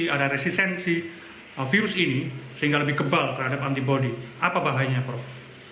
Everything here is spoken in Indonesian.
ada resistensi virus ini sehingga lebih kebal terhadap antibody apa bahayanya prof